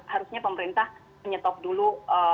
harusnya pemerintah menyetop dulu